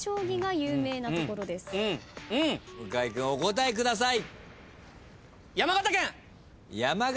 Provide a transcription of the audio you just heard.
向井君お答えください。